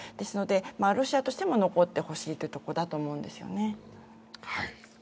ロシアとしても残ってほしいというところだと思うんですよね。